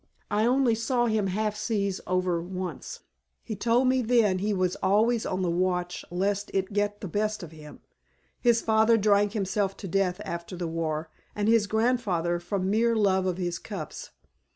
I only saw him half seas over once. He told me then he was always on the watch lest it get the best of him. His father drank himself to death after the war, and his grandfather from mere love of his cups.